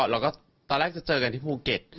แล้วก็ตอนแรกจะเจอกันที่ภูเก็ต